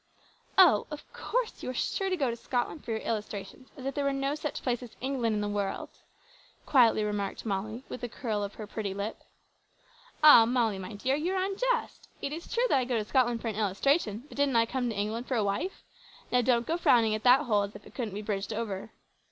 "Oh! of course, you are sure to go to Scotland for your illustrations, as if there was no such place as England in the world," quietly remarked Molly, with a curl of her pretty lip. "Ah! Molly, dear, you are unjust. It is true I go to Scotland for an illustration, but didn't I come to England for a wife? Now, don't go frowning at that hole as if it couldn't be bridged over."